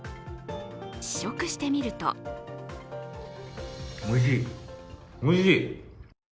試食してみるとおいしい、おいしい。